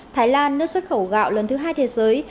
thái lan nước xuất khẩu gạo lần thứ hai thế giới